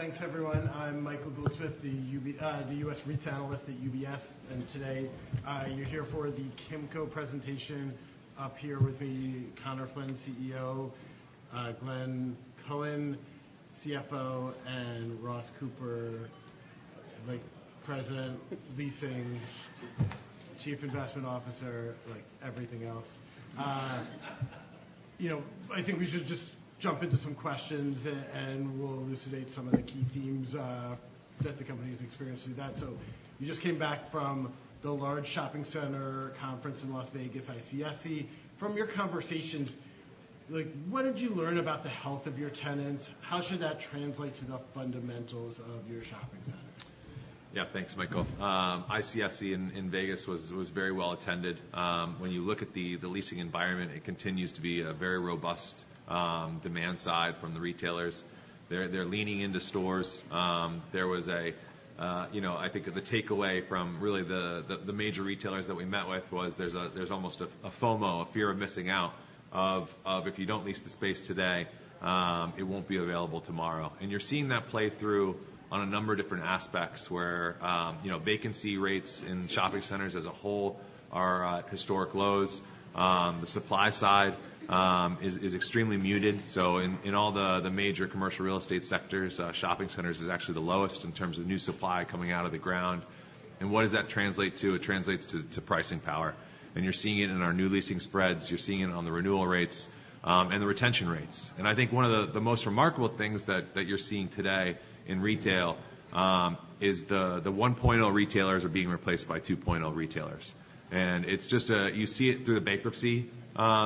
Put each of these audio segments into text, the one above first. Well, thanks, everyone. I'm Michael Goldsmith, the US REITs analyst at UBS, and today, you're here for the Kimco presentation. Up here with me, Conor Flynn, CEO, Glenn Cohen, CFO, and Ross Cooper, like, President, Leasing, Chief Investment Officer, like, everything else. You know, I think we should just jump into some questions, and we'll elucidate some of the key themes that the company is experiencing through that. So you just came back from the large shopping center conference in Las Vegas, ICSC. From your conversations, like, what did you learn about the health of your tenants? How should that translate to the fundamentals of your shopping center? Yeah, thanks, Michael. ICSC in Vegas was very well attended. When you look at the leasing environment, it continues to be a very robust demand side from the retailers. They're leaning into stores. You know, I think the takeaway from really the major retailers that we met with was there's almost a FOMO, a fear of missing out, of if you don't lease the space today, it won't be available tomorrow. And you're seeing that play through on a number of different aspects, where you know, vacancy rates in shopping centers as a whole are at historic lows. The supply side is extremely muted. So in all the major commercial real estate sectors, shopping centers is actually the lowest in terms of new supply coming out of the ground. And what does that translate to? It translates to pricing power. And you're seeing it in our new leasing spreads, you're seeing it on the renewal rates, and the retention rates. And I think one of the most remarkable things that you're seeing today in retail is the 1.0 retailers are being replaced by 2.0 retailers. And it's just a... You see it through the bankruptcy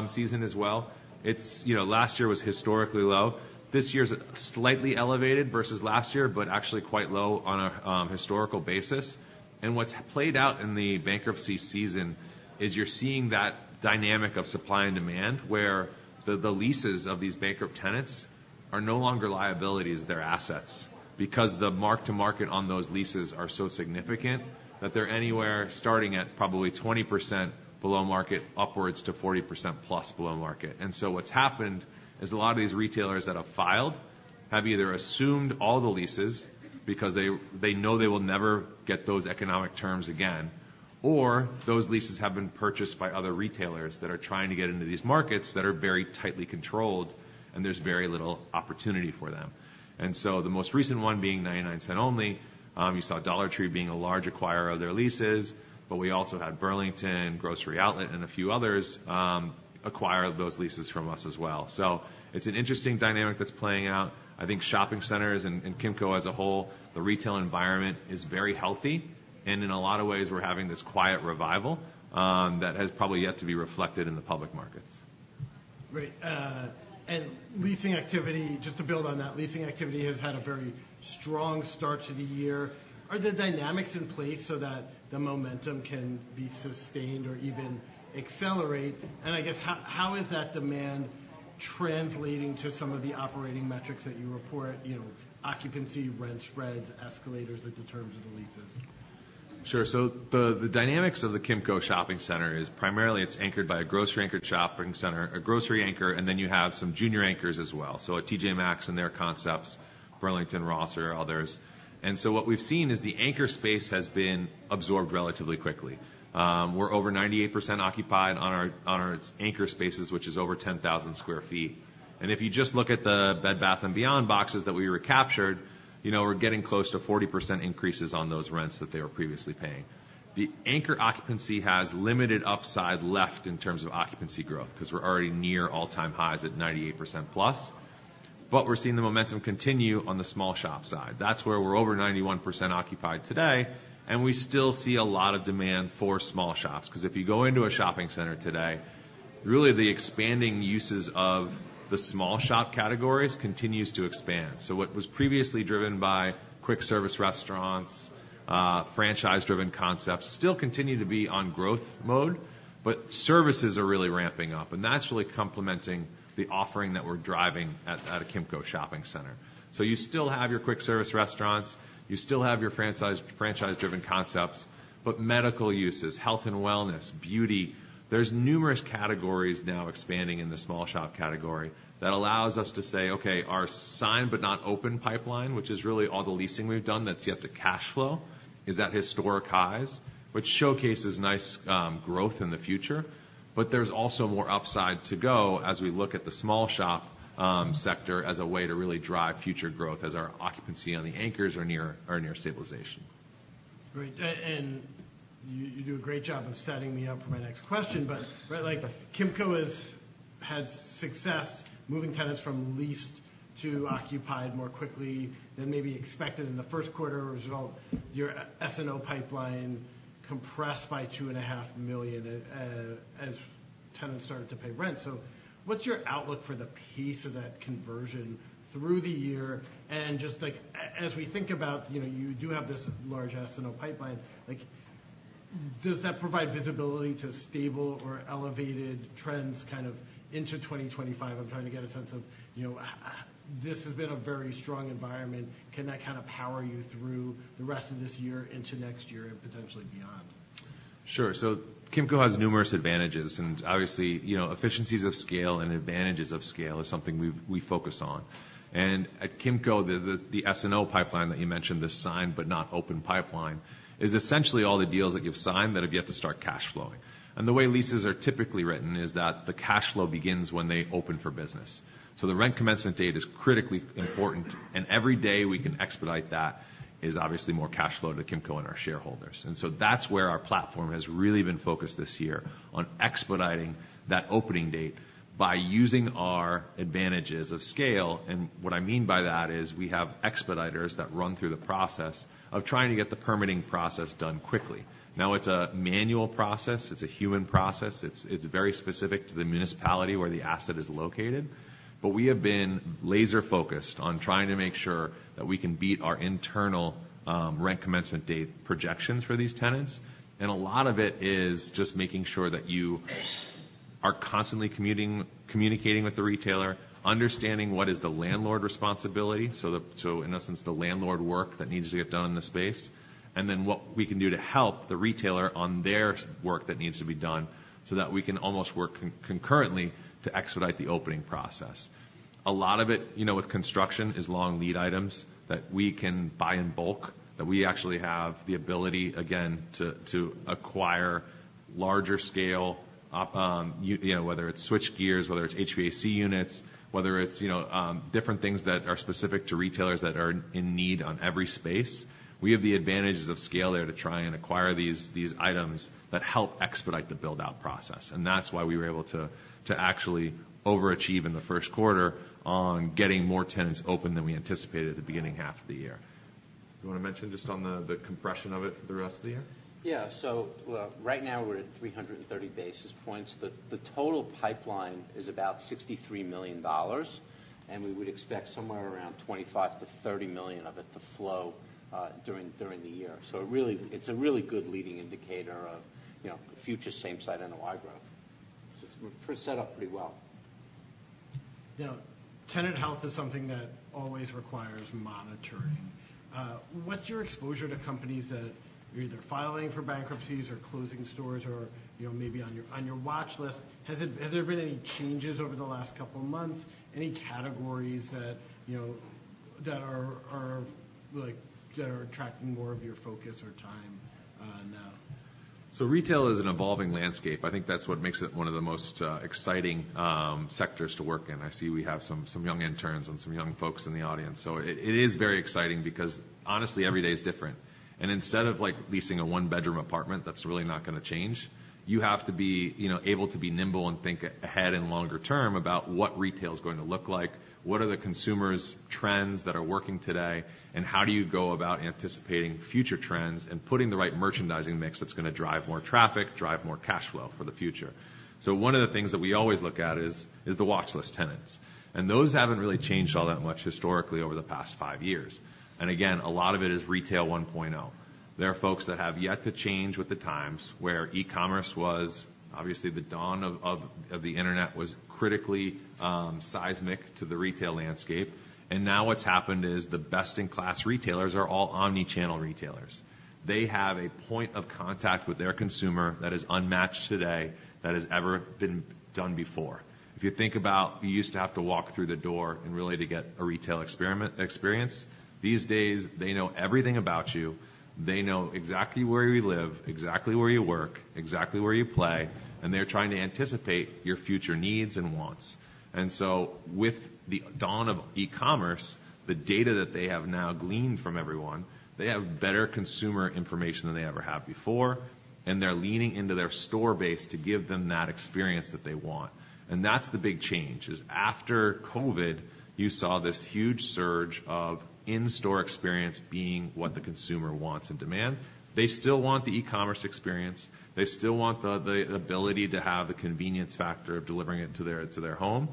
season as well. It's, you know, last year was historically low. This year's slightly elevated versus last year, but actually quite low on a historical basis. What's played out in the bankruptcy season is you're seeing that dynamic of supply and demand, where the leases of these bankrupt tenants are no longer liabilities, they're assets. Because the mark to market on those leases are so significant that they're anywhere starting at probably 20% below market, upwards to 40% plus below market. So what's happened is a lot of these retailers that have filed have either assumed all the leases because they know they will never get those economic terms again, or those leases have been purchased by other retailers that are trying to get into these markets that are very tightly controlled, and there's very little opportunity for them. So the most recent one being 99 Cents Only, you saw Dollar Tree being a large acquirer of their leases, but we also had Burlington, Grocery Outlet, and a few others, acquire those leases from us as well. So it's an interesting dynamic that's playing out. I think shopping centers and, and Kimco as a whole, the retail environment is very healthy, and in a lot of ways, we're having this quiet revival, that has probably yet to be reflected in the public markets. Great. And leasing activity, just to build on that, leasing activity has had a very strong start to the year. Are the dynamics in place so that the momentum can be sustained or even accelerate? And I guess, how is that demand translating to some of the operating metrics that you report, you know, occupancy, rent spreads, escalators, the terms of the leases? Sure. So the dynamics of the Kimco Shopping Center is primarily it's anchored by a grocery anchor shopping center, a grocery anchor, and then you have some junior anchors as well. So a T.J. Maxx and their concepts, Burlington, Ross, or others. And so what we've seen is the anchor space has been absorbed relatively quickly. We're over 98% occupied on our anchor spaces, which is over 10,000 sq ft. And if you just look at the Bed Bath & Beyond boxes that we recaptured, you know, we're getting close to 40% increases on those rents that they were previously paying. The anchor occupancy has limited upside left in terms of occupancy growth, 'cause we're already near all-time highs at 98% plus. But we're seeing the momentum continue on the small shop side. That's where we're over 91% occupied today, and we still see a lot of demand for small shops. 'Cause if you go into a shopping center today, really the expanding uses of the small shop categories continues to expand. So what was previously driven by quick-service restaurants, franchise-driven concepts, still continue to be on growth mode, but services are really ramping up, and that's really complementing the offering that we're driving at, at a Kimco shopping center. So you still have your quick-service restaurants, you still have your franchise, franchise-driven concepts, but medical uses, health and wellness, beauty. There's numerous categories now expanding in the small shop category that allows us to say, "Okay, our signed but not open pipeline," which is really all the leasing we've done that's yet to cashflow, is at historic highs, which showcases nice, growth in the future. But there's also more upside to go as we look at the small shop sector as a way to really drive future growth as our occupancy on the anchors are near stabilization. Great. And you do a great job of setting me up for my next question, but, right, like, Kimco has had success moving tenants from leased to occupied more quickly than maybe expected in the first quarter. As a result, your S&O pipeline compressed by $2.5 million as tenants started to pay rent. So what's your outlook for the pace of that conversion through the year? And just like, as we think about, you know, you do have this large S&O pipeline, like, does that provide visibility to stable or elevated trends kind of into 2025? I'm trying to get a sense of, you know, this has been a very strong environment. Can that kind of power you through the rest of this year into next year and potentially beyond? Sure. So Kimco has numerous advantages, and obviously, you know, efficiencies of scale and advantages of scale is something we focus on. At Kimco, the S&O pipeline that you mentioned, the signed but not open pipeline, is essentially all the deals that you've signed that have yet to start cash flowing. The way leases are typically written is that the cash flow begins when they open for business. So the rent commencement date is critically important, and every day we can expedite that is obviously more cash flow to Kimco and our shareholders. So that's where our platform has really been focused this year, on expediting that opening date by using our advantages of scale. What I mean by that is we have expediters that run through the process of trying to get the permitting process done quickly. Now, it's a manual process, it's a human process. It's very specific to the municipality where the asset is located. But we have been laser focused on trying to make sure that we can beat our internal rent commencement date projections for these tenants. And a lot of it is just making sure that you are constantly communicating with the retailer, understanding what is the landlord responsibility, so the, so in essence, the landlord work that needs to get done in the space, and then what we can do to help the retailer on their work that needs to be done, so that we can almost work concurrently to expedite the opening process. A lot of it, you know, with construction, is long lead items that we can buy in bulk, that we actually have the ability, again, to acquire larger scale, you know, whether it's switchgear, whether it's HVAC units, whether it's, you know, different things that are specific to retailers that are in need on every space. We have the advantages of scale there to try and acquire these items that help expedite the build-out process, and that's why we were able to actually overachieve in the first quarter on getting more tenants open than we anticipated at the beginning half of the year. You want to mention just on the compression of it for the rest of the year? Yeah. So right now we're at 330 basis points. The total pipeline is about $63 million, and we would expect somewhere around $25 million-$30 million of it to flow during the year. So it really, it's a really good leading indicator of, you know, future same-store NOI growth. So we're set up pretty well. You know, tenant health is something that always requires monitoring. Uh, what's your exposure to companies that are either filing for bankruptcies or closing stores or, you know, maybe on your, on your watchlist? Has there been any changes over the last couple of months? Any categories that, you know, that are, like, attracting more of your focus or time, now? So retail is an evolving landscape. I think that's what makes it one of the most exciting sectors to work in. I see we have some young interns and some young folks in the audience. So it is very exciting because, honestly, every day is different. And instead of, like, leasing a one-bedroom apartment, that's really not going to change, you have to be, you know, able to be nimble and think ahead and longer term about what retail is going to look like, what are the consumers' trends that are working today, and how do you go about anticipating future trends and putting the right merchandising mix that's going to drive more traffic, drive more cash flow for the future? So one of the things that we always look at is the watchlist tenants, and those haven't really changed all that much historically over the past five years. And again, a lot of it is Retail 1.0. There are folks that have yet to change with the times, where e-commerce was obviously the dawn of the internet, was critically seismic to the retail landscape. And now what's happened is the best-in-class retailers are all omni-channel retailers. They have a point of contact with their consumer that is unmatched today, that has ever been done before. If you think about, you used to have to walk through the door and really to get a retail experience. These days, they know everything about you. They know exactly where you live, exactly where you work, exactly where you play, and they're trying to anticipate your future needs and wants. And so with the dawn of e-commerce, the data that they have now gleaned from everyone, they have better consumer information than they ever have before, and they're leaning into their store base to give them that experience that they want. And that's the big change, is after COVID, you saw this huge surge of in-store experience being what the consumer wants and demand. They still want the e-commerce experience. They still want the ability to have the convenience factor of delivering it to their home,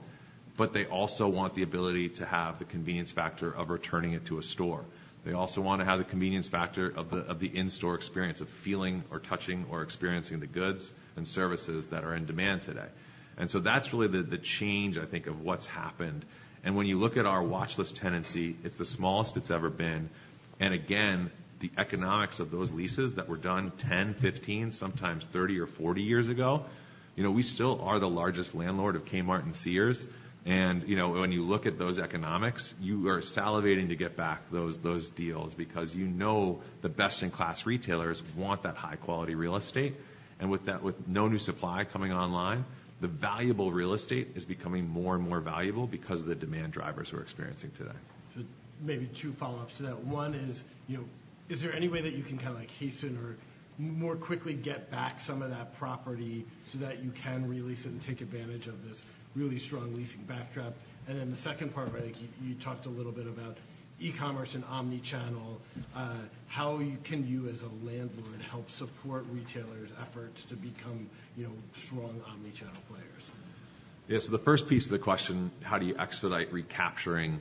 but they also want the ability to have the convenience factor of returning it to a store. They also want to have the convenience factor of the, of the in-store experience, of feeling or touching or experiencing the goods and services that are in demand today. And so that's really the, the change, I think, of what's happened. And when you look at our watchlist tenancy, it's the smallest it's ever been. And again, the economics of those leases that were done 10, 15, sometimes 30 or 40 years ago, you know, we still are the largest landlord of Kmart and Sears. And, you know, when you look at those economics, you are salivating to get back those, those deals because you know the best-in-class retailers want that high-quality real estate. And with that, with no new supply coming online, the valuable real estate is becoming more and more valuable because of the demand drivers we're experiencing today. So maybe two follow-ups to that. One is, you know, is there any way that you can kind of, like, hasten or more quickly get back some of that property so that you can release it and take advantage of this really strong leasing backdrop? And then the second part, where I think you, you talked a little bit about e-commerce and omni-channel. How can you, as a landlord, help support retailers' efforts to become, you know, strong omni-channel players?... Yes, so the first piece of the question, how do you expedite recapturing,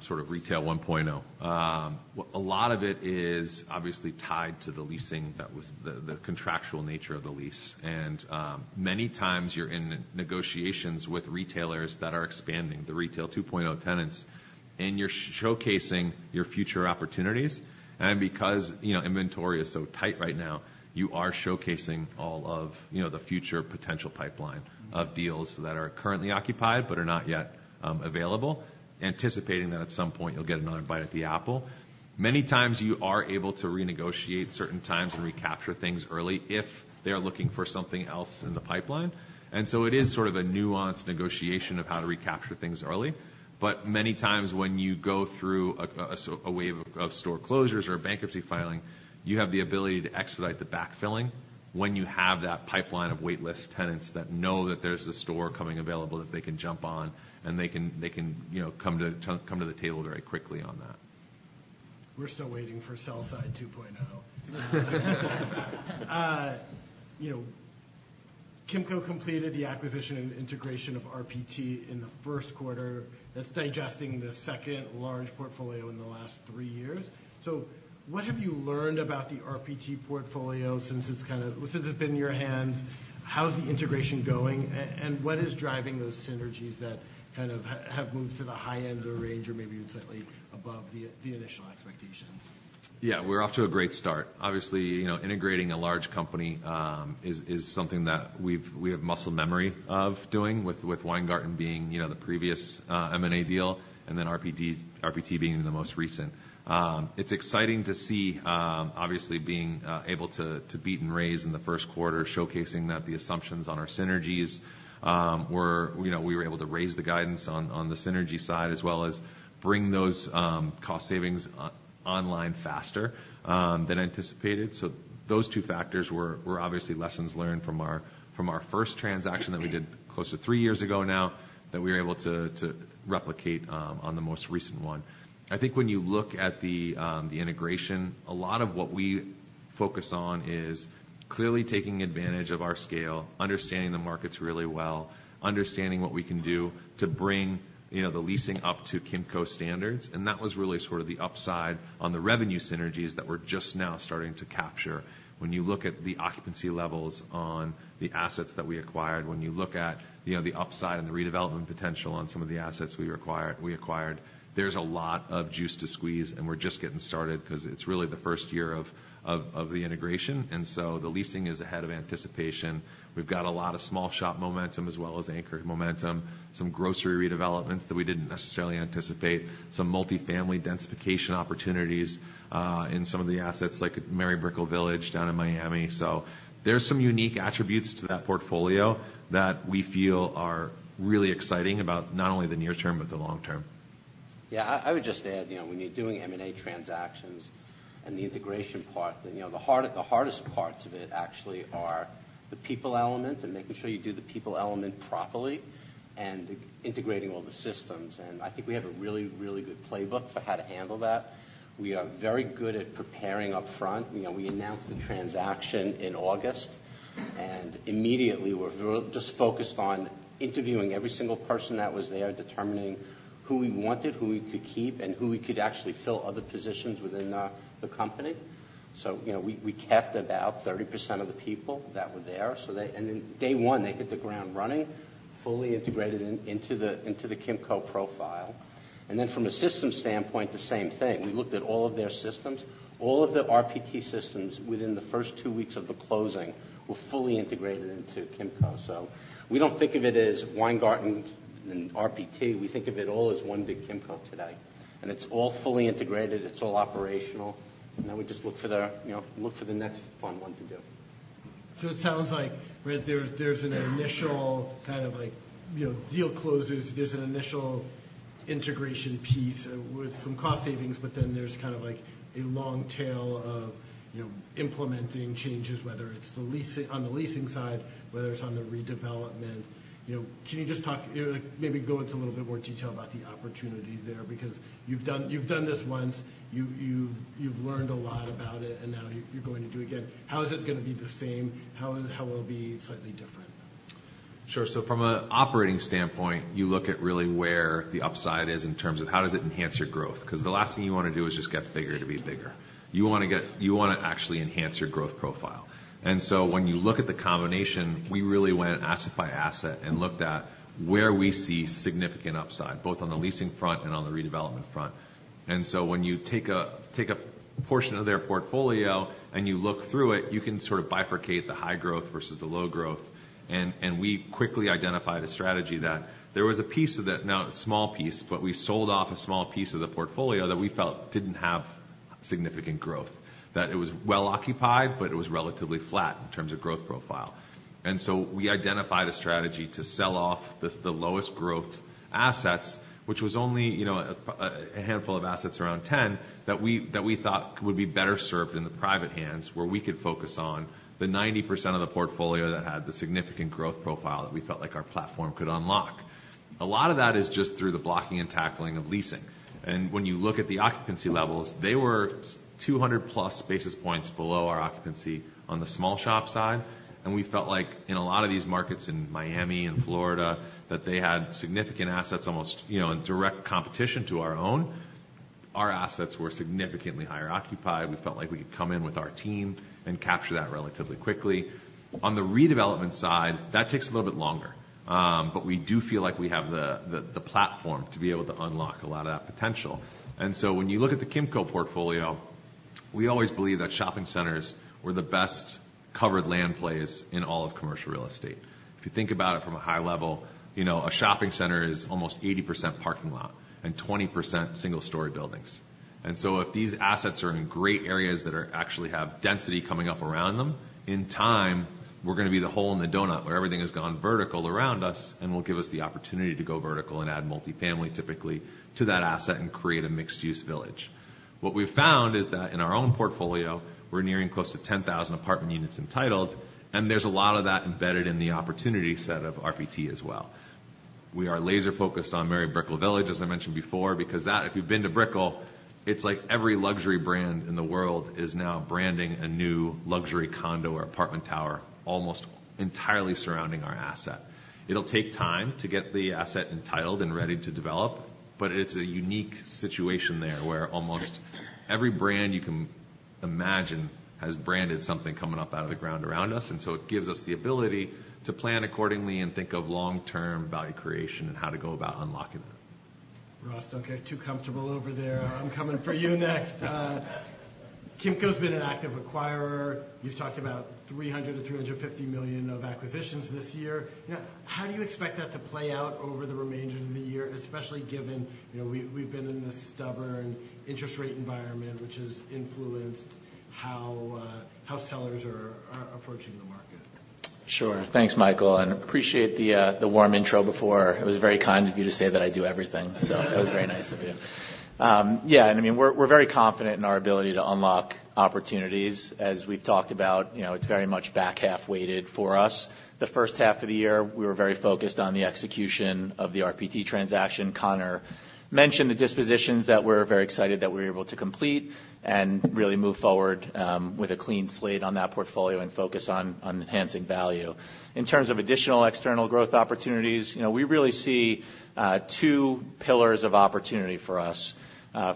sort of Retail 1.0? Well, a lot of it is obviously tied to the leasing that was the contractual nature of the lease. Many times you're in negotiations with retailers that are expanding, the Retail 2.0 tenants, and you're showcasing your future opportunities. And because, you know, inventory is so tight right now, you are showcasing all of, you know, the future potential pipeline of deals that are currently occupied, but are not yet available, anticipating that at some point, you'll get another bite at the apple. Many times, you are able to renegotiate certain times and recapture things early if they're looking for something else in the pipeline. So it is sort of a nuanced negotiation of how to recapture things early. But many times, when you go through a wave of store closures or a bankruptcy filing, you have the ability to expedite the backfilling when you have that pipeline of wait list tenants that know that there's a store coming available, that they can jump on, and they can, you know, come to the table very quickly on that. We're still waiting for sell-side 2.0. You know, Kimco completed the acquisition and integration of RPT in the first quarter. That's digesting the second large portfolio in the last three years. So what have you learned about the RPT portfolio since it's kind of since it's been in your hands, how's the integration going? And what is driving those synergies that kind of have moved to the high end of the range or maybe slightly above the initial expectations? Yeah, we're off to a great start. Obviously, you know, integrating a large company is something that we have muscle memory of doing with Weingarten being, you know, the previous M&A deal, and then RPT being the most recent. It's exciting to see, obviously being able to beat and raise in the first quarter, showcasing that the assumptions on our synergies were... You know, we were able to raise the guidance on the synergy side, as well as bring those cost savings online faster than anticipated. So those two factors were obviously lessons learned from our first transaction that we did close to three years ago now, that we were able to replicate on the most recent one. I think when you look at the integration, a lot of what we focus on is clearly taking advantage of our scale, understanding the markets really well, understanding what we can do to bring, you know, the leasing up to Kimco standards, and that was really sort of the upside on the revenue synergies that we're just now starting to capture. When you look at the occupancy levels on the assets that we acquired, when you look at, you know, the upside and the redevelopment potential on some of the assets we acquire, we acquired, there's a lot of juice to squeeze, and we're just getting started 'cause it's really the first year of the integration, and so the leasing is ahead of anticipation. We've got a lot of small shop momentum as well as anchor momentum, some grocery redevelopments that we didn't necessarily anticipate, some multifamily densification opportunities, in some of the assets, like Mary Brickell Village down in Miami. So there's some unique attributes to that portfolio that we feel are really exciting about not only the near term, but the long term. Yeah, I would just add, you know, when you're doing M&A transactions and the integration part, then, you know, the hardest parts of it actually are the people element and making sure you do the people element properly, and integrating all the systems, and I think we have a really, really good playbook for how to handle that. We are very good at preparing upfront. You know, we announced the transaction in August, and immediately, we're just focused on interviewing every single person that was there, determining who we wanted, who we could keep, and who we could actually fill other positions within the company. So, you know, we kept about 30% of the people that were there, so they. And then day one, they hit the ground running, fully integrated into the Kimco profile. From a system standpoint, the same thing. We looked at all of their systems. All of the RPT systems within the first 2 weeks of the closing were fully integrated into Kimco. So we don't think of it as Weingarten and RPT, we think of it all as one big Kimco today, and it's all fully integrated, it's all operational. Now we just, you know, look for the next fun one to do. So it sounds like, right, there's an initial kind of like, you know, deal closes, there's an initial integration piece with some cost savings, but then there's kind of like a long tail of, you know, implementing changes, whether it's the leasing on the leasing side, whether it's on the redevelopment. You know, can you just talk, maybe go into a little bit more detail about the opportunity there? Because you've done this once, you've learned a lot about it, and now you're going to do it again. How is it gonna be the same? How will it be slightly different? Sure. So from an operating standpoint, you look at really where the upside is in terms of how does it enhance your growth? 'Cause the last thing you wanna do is just get bigger to be bigger. You wanna get- you wanna actually enhance your growth profile. And so when you look at the combination, we really went asset by asset and looked at where we see significant upside, both on the leasing front and on the redevelopment front. And so when you take a, take a portion of their portfolio and you look through it, you can sort of bifurcate the high growth versus the low growth, and, and we quickly identified a strategy that there was a piece of that... Now, a small piece, but we sold off a small piece of the portfolio that we felt didn't have significant growth, that it was well occupied, but it was relatively flat in terms of growth profile. And so we identified a strategy to sell off the the lowest growth assets, which was only, you know, a handful of assets, around 10, that we thought would be better served in the private hands, where we could focus on the 90% of the portfolio that had the significant growth profile that we felt like our platform could unlock. A lot of that is just through the blocking and tackling of leasing. And when you look at the occupancy levels, they were 200+ basis points below our occupancy on the small shop side, and we felt like in a lot of these markets in Miami and Florida, that they had significant assets, almost, you know, in direct competition to our own. Our assets were significantly higher occupied. We felt like we could come in with our team and capture that relatively quickly. On the redevelopment side, that takes a little bit longer, but we do feel like we have the platform to be able to unlock a lot of that potential. And so when you look at the Kimco portfolio, we always believe that shopping centers were the best-covered land plays in all of commercial real estate. If you think about it from a high level, you know, a shopping center is almost 80% parking lot and 20% single-story buildings. And so if these assets are in great areas that are actually have density coming up around them, in time, we're gonna be the hole in the donut, where everything has gone vertical around us, and will give us the opportunity to go vertical and add multifamily, typically, to that asset and create a mixed-use village. What we've found is that in our own portfolio, we're nearing close to 10,000 apartment units entitled, and there's a lot of that embedded in the opportunity set of RPT as well. We are laser-focused on Mary Brickell Village, as I mentioned before, because that, if you've been to Brickell, it's like every luxury brand in the world is now branding a new luxury condo or apartment tower, almost entirely surrounding our asset. It'll take time to get the asset entitled and ready to develop, but it's a unique situation there, where almost every brand you can imagine has branded something coming up out of the ground around us. And so it gives us the ability to plan accordingly and think of long-term value creation and how to go about unlocking it. Ross, don't get too comfortable over there. I'm coming for you next. Kimco's been an active acquirer. You've talked about $300 million-$350 million of acquisitions this year. Now, how do you expect that to play out over the remainder of the year, especially given, you know, we, we've been in this stubborn interest rate environment, which has influenced how, house sellers are, are approaching the market? Sure. Thanks, Michael, and appreciate the warm intro before. It was very kind of you to say that I do everything. So that was very nice of you. Yeah, and I mean, we're very confident in our ability to unlock opportunities. As we've talked about, you know, it's very much back-half weighted for us. The first half of the year, we were very focused on the execution of the RPT transaction. Conor mentioned the dispositions that we're very excited that we're able to complete, and really move forward with a clean slate on that portfolio and focus on enhancing value. In terms of additional external growth opportunities, you know, we really see two pillars of opportunity for us.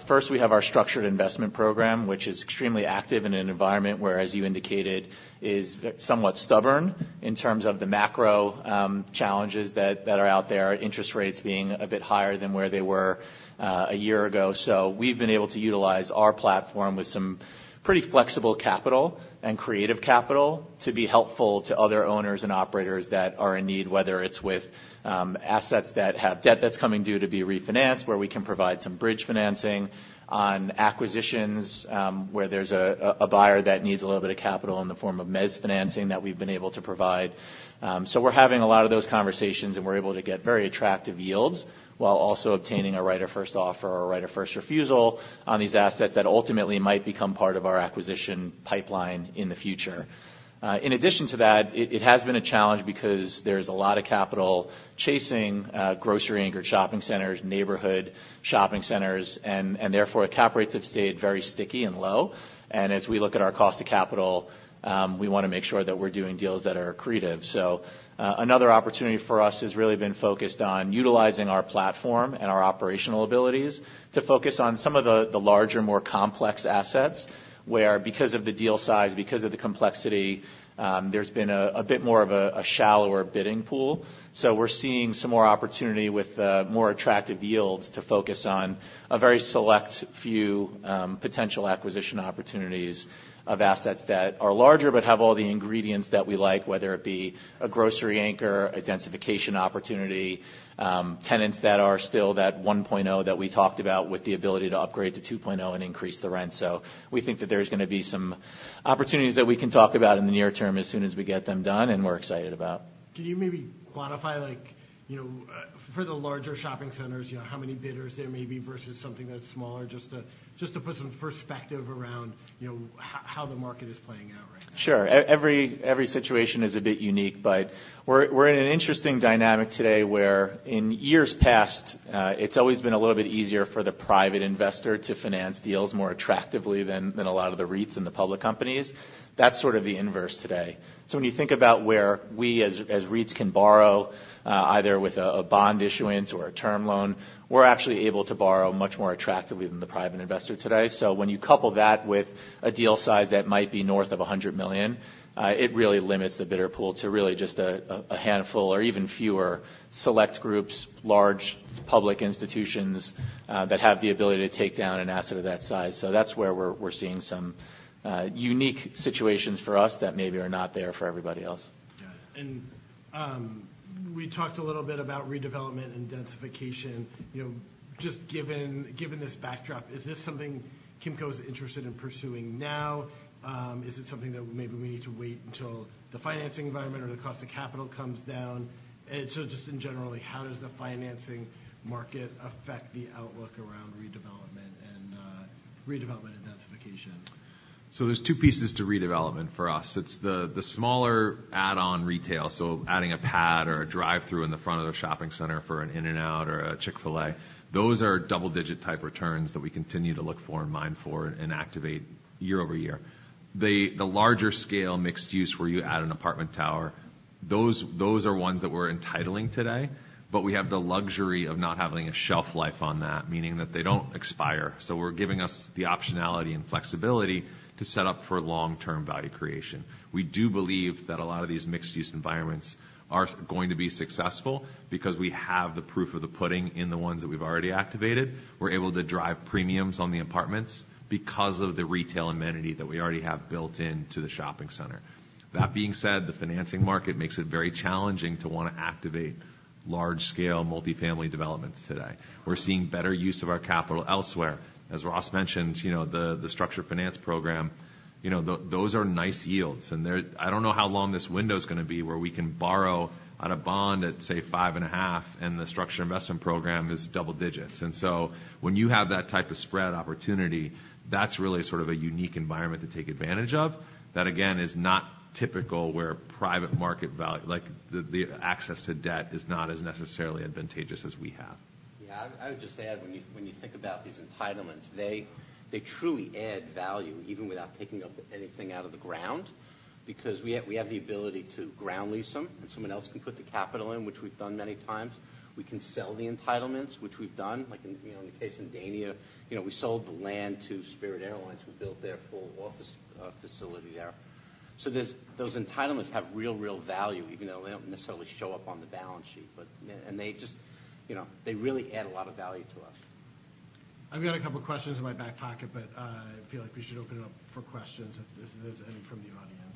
First, we have our Structured Investment Program, which is extremely active in an environment where, as you indicated, is somewhat stubborn in terms of the macro challenges that are out there, interest rates being a bit higher than where they were a year ago. So we've been able to utilize our platform with some pretty flexible capital and creative capital to be helpful to other owners and operators that are in need, whether it's with assets that have debt that's coming due to be refinanced, where we can provide some bridge financing on acquisitions, where there's a buyer that needs a little bit of capital in the form of mezzanine financing that we've been able to provide. So we're having a lot of those conversations, and we're able to get very attractive yields, while also obtaining a right of first offer or right of first refusal on these assets, that ultimately might become part of our acquisition pipeline in the future. In addition to that, it has been a challenge because there's a lot of capital chasing grocery-anchored shopping centers, neighborhood shopping centers, and therefore, cap rates have stayed very sticky and low. As we look at our cost of capital, we wanna make sure that we're doing deals that are accretive. So, another opportunity for us has really been focused on utilizing our platform and our operational abilities to focus on some of the larger, more complex assets, where because of the deal size, because of the complexity, there's been a bit more of a shallower bidding pool. So we're seeing some more opportunity with more attractive yields to focus on a very select few potential acquisition opportunities of assets that are larger, but have all the ingredients that we like, whether it be a grocery anchor, a densification opportunity, tenants that are still that 1.0 that we talked about, with the ability to upgrade to 2.0 and increase the rent. So we think that there's gonna be some opportunities that we can talk about in the near term, as soon as we get them done, and we're excited about. Can you maybe quantify, like, you know, for the larger shopping centers, you know, how many bidders there may be versus something that's smaller, just to put some perspective around, you know, how the market is playing out right now? Sure. Every situation is a bit unique, but we're in an interesting dynamic today, where in years past, it's always been a little bit easier for the private investor to finance deals more attractively than a lot of the REITs and the public companies. That's sort of the inverse today. So when you think about where we, as REITs, can borrow, either with a bond issuance or a term loan, we're actually able to borrow much more attractively than the private investor today. So when you couple that with a deal size that might be north of $100 million, it really limits the bidder pool to really just a handful or even fewer select groups, large public institutions, that have the ability to take down an asset of that size. So that's where we're seeing some unique situations for us that maybe are not there for everybody else. Got it. We talked a little bit about redevelopment and densification. You know, just given this backdrop, is this something Kimco is interested in pursuing now? Is it something that maybe we need to wait until the financing environment or the cost of capital comes down? Just in general, like, how does the financing market affect the outlook around redevelopment and densification? So there's two pieces to redevelopment for us. It's the smaller add-on retail, so adding a pad or a drive-through in the front of the shopping center for an In-N-Out or a Chick-fil-A, those are double-digit type returns that we continue to look for and mine for and activate year-over-year. The larger scale, mixed-use, where you add an apartment tower, those are ones that we're entitling today, but we have the luxury of not having a shelf life on that, meaning that they don't expire. So we're giving us the optionality and flexibility to set up for long-term value creation. We do believe that a lot of these mixed-use environments are going to be successful because we have the proof of the pudding in the ones that we've already activated. We're able to drive premiums on the apartments because of the retail amenity that we already have built into the shopping center. That being said, the financing market makes it very challenging to want to activate large-scale multifamily developments today. We're seeing better use of our capital elsewhere. As Ross mentioned, you know, the structured finance program, you know, those are nice yields, and they're—I don't know how long this window's gonna be, where we can borrow at a bond at, say, 5.5, and the structured investment program is double digits. And so when you have that type of spread opportunity, that's really sort of a unique environment to take advantage of. That, again, is not typical, where private market value, like, the access to debt, is not as necessarily advantageous as we have. Yeah, I would just add, when you think about these entitlements, they truly add value, even without taking up anything out of the ground, because we have the ability to ground lease them, and someone else can put the capital in, which we've done many times. We can sell the entitlements, which we've done, like in, you know, in the case in Dania. You know, we sold the land to Spirit Airlines, who built their full office facility there. So those entitlements have real value, even though they don't necessarily show up on the balance sheet. But, yeah, and they just... You know, they really add a lot of value to us. I've got a couple of questions in my back pocket, but, I feel like we should open it up for questions if there's any from the audience.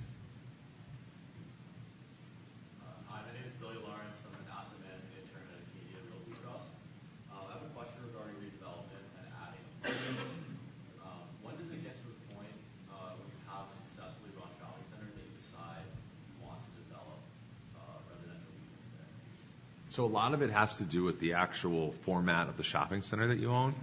Hi, my name is Billy Lawrence. I'm an asset management intern at Amelia Realty Trust. I have a question regarding redevelopment and adding. When does it get to a point when you have successfully run a shopping center, and they decide you want to develop residential units there? So a lot of it has to do with the actual format of the shopping center that you own,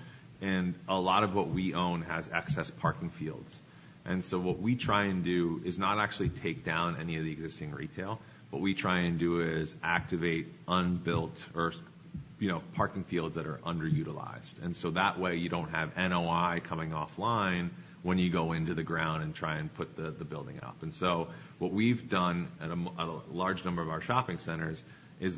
and a lot of what we own has excess parking fields. And so what we try and do is not actually take down any of the existing retail. What we try and do is activate unbuilt or, you know, parking fields that are underutilized. And so that way, you don't have NOI coming offline when you go into the ground and try and put the building up. And so what we've done at a large number of our shopping centers is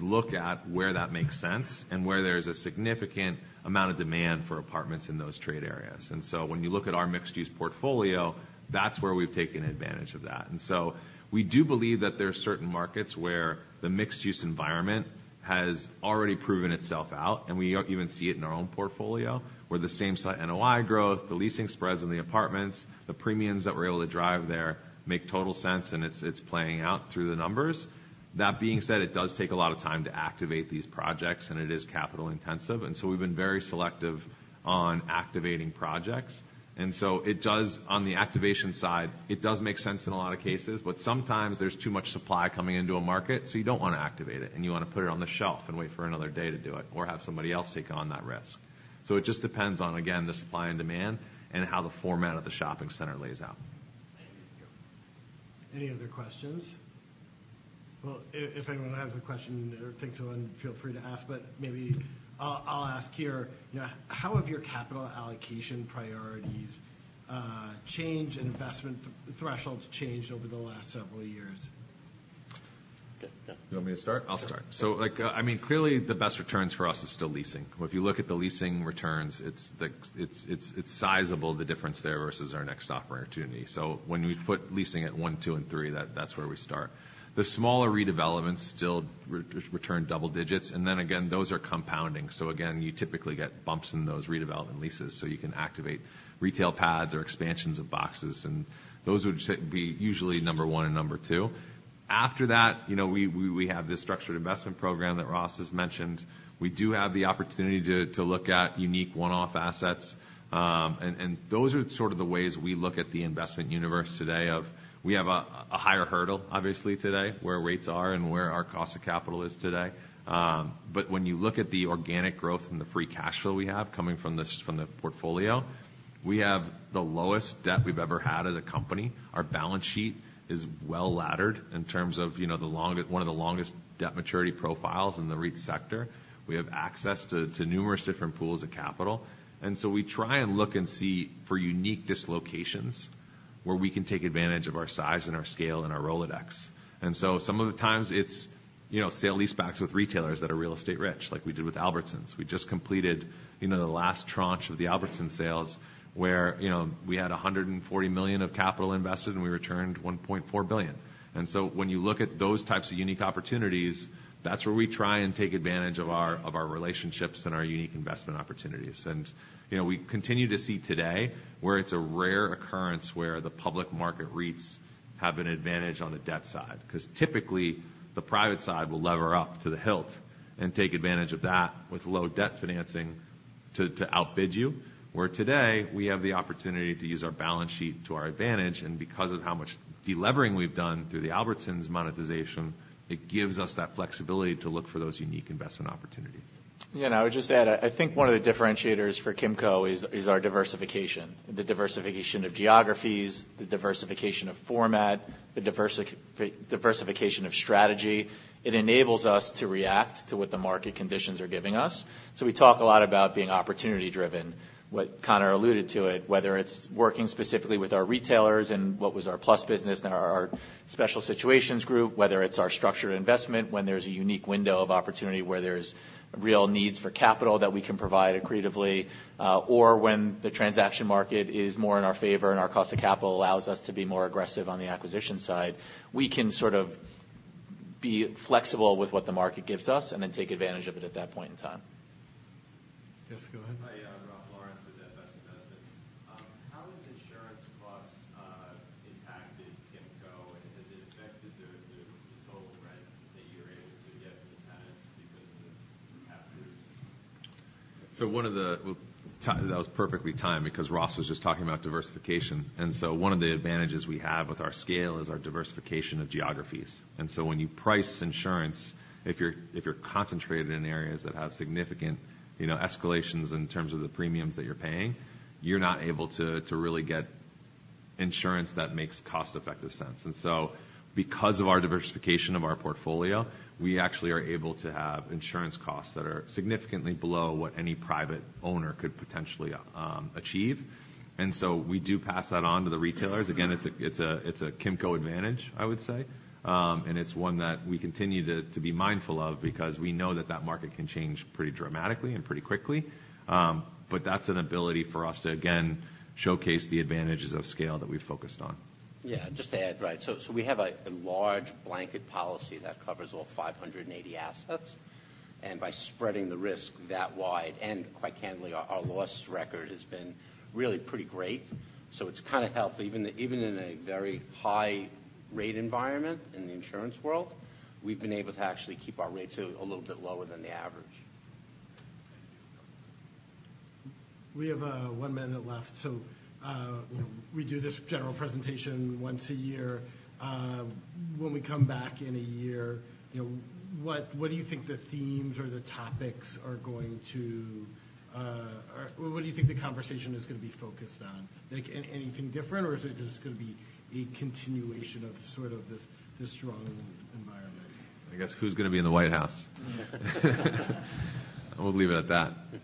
look at where that makes sense and where there's a significant amount of demand for apartments in those trade areas. And so when you look at our mixed-use portfolio, that's where we've taken advantage of that. And so we do believe that there are certain markets where the mixed-use environment has already proven itself out, and we even see it in our own portfolio, where the same site, NOI growth, the leasing spreads in the apartments, the premiums that we're able to drive there, make total sense, and it's, it's playing out through the numbers. That being said, it does take a lot of time to activate these projects, and it is capital intensive, and so we've been very selective on activating projects. And so it does... On the activation side, it does make sense in a lot of cases, but sometimes there's too much supply coming into a market, so you don't want to activate it, and you want to put it on the shelf and wait for another day to do it or have somebody else take on that risk. It just depends on, again, the supply and demand and how the format of the shopping center lays out. Any other questions? Well, if anyone has a question or thinks of one, feel free to ask, but maybe I'll ask here. You know, how have your capital allocation priorities changed and investment thresholds changed over the last several years? You want me to start? I'll start. So, like, I mean, clearly, the best returns for us is still leasing. If you look at the leasing returns, it's sizable, the difference there, versus our next opportunity. So when we put leasing at one, two, and three, that's where we start. The smaller redevelopments still return double digits, and then again, those are compounding. So again, you typically get bumps in those redevelopment leases, so you can activate retail pads or expansions of boxes, and those would be usually number one and number two. After that, you know, we have this structured investment program that Ross has mentioned. We do have the opportunity to look at unique one-off assets, and those are sort of the ways we look at the investment universe today of... We have a higher hurdle, obviously, today, where rates are and where our cost of capital is today. But when you look at the organic growth and the free cash flow we have coming from this, from the portfolio, we have the lowest debt we've ever had as a company. Our balance sheet is well-laddered in terms of, you know, the long- one of the longest debt maturity profiles in the REIT sector. We have access to numerous different pools of capital. And so we try and look and see for unique dislocations, where we can take advantage of our size and our scale and our Rolodex. And so some of the times it's, you know, sale-leasebacks with retailers that are real estate-rich, like we did with Albertsons. We just completed, you know, the last tranche of the Albertsons sales, where, you know, we had $140 million of capital invested, and we returned $1.4 billion. And so when you look at those types of unique opportunities, that's where we try and take advantage of our, of our relationships and our unique investment opportunities. And, you know, we continue to see today, where it's a rare occurrence where the public market REITs have an advantage on the debt side. Because typically, the private side will lever up to the hilt and take advantage of that with low debt financing to, to outbid you. Where today, we have the opportunity to use our balance sheet to our advantage, and because of how much delevering we've done through the Albertsons monetization-... Yeah, and I would just add, I think one of the differentiators for Kimco is, is our diversification. The diversification of geographies, the diversification of format, the diversification of strategy. It enables us to react to what the market conditions are giving us. So we talk a lot about being opportunity driven. What Conor alluded to it, whether it's working specifically with our retailers and what was our plus business and our, our special situations group, whether it's our structured investment, when there's a unique window of opportunity, where there's real needs for capital that we can provide creatively, or when the transaction market is more in our favor, and our cost of capital allows us to be more aggressive on the acquisition side. We can sort of be flexible with what the market gives us and then take advantage of it at that point in time. Yes, go ahead. Hi, Rob Lawrence with Best Investments. How has insurance costs impacted Kimco, and has it affected the total rent that you're able to get from the tenants because of the pass-throughs? That was perfectly timed because Ross was just talking about diversification. One of the advantages we have with our scale is our diversification of geographies. When you price insurance, if you're concentrated in areas that have significant, you know, escalations in terms of the premiums that you're paying, you're not able to really get insurance that makes cost-effective sense. Because of our diversification of our portfolio, we actually are able to have insurance costs that are significantly below what any private owner could potentially achieve. We do pass that on to the retailers. Again, it's a Kimco advantage, I would say. It's one that we continue to be mindful of because we know that that market can change pretty dramatically and pretty quickly. But that's an ability for us to, again, showcase the advantages of scale that we've focused on. Yeah, just to add, right. So, we have a large blanket policy that covers all 580 assets, and by spreading the risk that wide, and quite candidly, our loss record has been really pretty great. So it's kind of helped, even in a very high rate environment in the insurance world, we've been able to actually keep our rates a little bit lower than the average. We have one minute left. So, we do this general presentation once a year. When we come back in a year, you know, what do you think the themes or the topics are going to... Or what do you think the conversation is gonna be focused on? Like, anything different, or is it just gonna be a continuation of sort of this, this strong environment? I guess who's gonna be in the White House? We'll leave it at that.